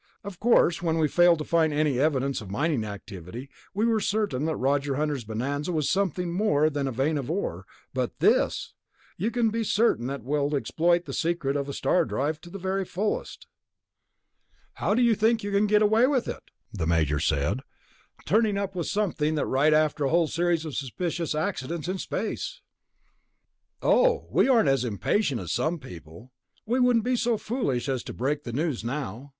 Of course when we failed to find any evidence of mining activity, we were certain that Roger Hunter's bonanza was something more than a vein of ore, but this! You can be certain that we will exploit the secret of a star drive to the very fullest." "How do you think you can get away with it?" the Major said. "Turning up with something like that right after a whole series of suspicious accidents in space?" "Oh, we aren't as impatient as some people. We wouldn't be so foolish as to break the news now.